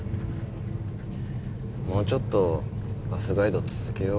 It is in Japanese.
もうちょっとバスガイド続けようよ。